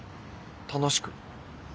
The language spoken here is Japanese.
楽しく？